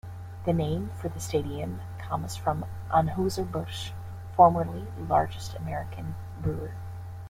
The name for the stadium comes from Anheuser-Busch, formerly the largest American brewer.